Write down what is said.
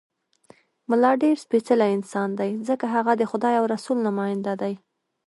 ملا ډېر سپېڅلی انسان دی، ځکه هغه د خدای او رسول نماینده دی.